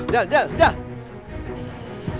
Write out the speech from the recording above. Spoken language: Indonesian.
jal jal jal